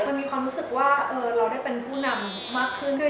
มันมีความรู้สึกว่าเราได้เป็นผู้นำมากขึ้นด้วย